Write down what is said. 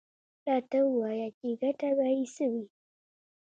_راته ووايه چې ګټه به يې څه وي؟